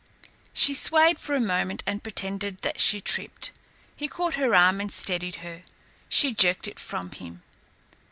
She swayed for a moment and pretended that she tripped. He caught her arm and steadied her. She jerked it from him.